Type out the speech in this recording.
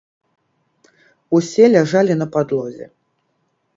Усе ляжалі на падлозе.